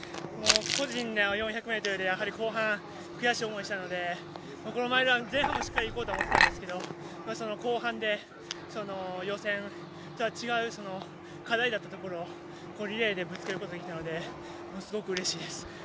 個人の４００ｍで後半、悔しい思いをしたのでこのマイルは前半もしっかりいこうと思ったんで個人的な課題だったところをリレーでぶつけることができたのでもう、すごくうれしいです。